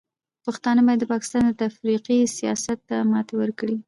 پښتانه باید د پاکستان د تفرقې سیاست ته ماتې ورکړي.